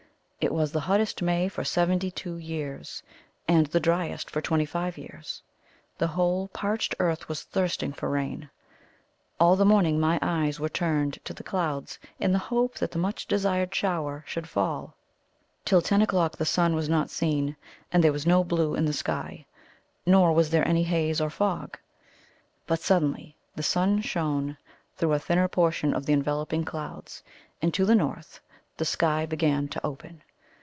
It was the hottest May for seventy two years, and the driest for twenty five years. The whole parched earth was thirsting for rain. All the morning my eyes were turned to the clouds in the hope that the much desired shower should fall. Till ten o'clock the sun was not seen, and there was no blue in the sky. Nor was there any haze or fog. But suddenly the sun shone through a thinner portion of the enveloping clouds, and, to the north, the sky began to open.